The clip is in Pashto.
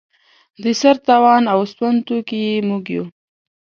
د سر تاوان او سوند توکي یې موږ یو.